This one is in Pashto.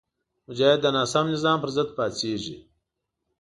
مجاهد د ناسم نظام پر ضد پاڅېږي.